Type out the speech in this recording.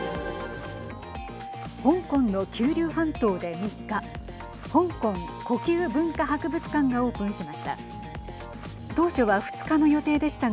香港の九龍半島で３日香港故宮文化博物館がオープンしました。